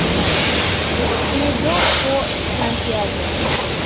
He rebuilt Fort Santiago.